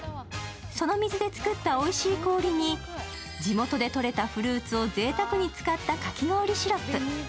その水で作ったおいしい氷に地元でとれたフルーツをぜいたくに使ったかき氷シロップ。